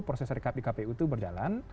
proses rekap di kpu itu berjalan